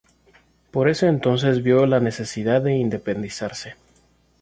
Por ese entonces vio la necesidad de independizarse.